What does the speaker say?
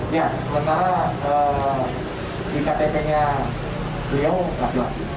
ya ya sementara di ktp nya pria lagi lagi